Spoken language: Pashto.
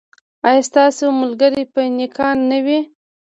ایا ستاسو ملګري به نیکان نه وي؟